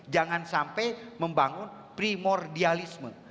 jangan sampai membangun primordialisme